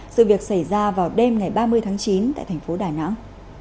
sự việc xảy ra vào đêm ngày ba mươi tháng chín tại tp đà nẵng